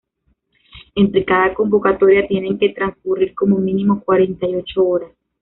Entre cada convocatoria tienen que transcurrir como mínimo cuarenta y ocho horas.